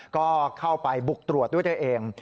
ก็เข้าไปบุกตรวจด้วยตัวเอง